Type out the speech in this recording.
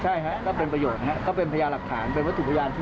ใช่ะกรอดเป็นประโยชน์นะครับก็เป็นพยา๘๔๑นะคะ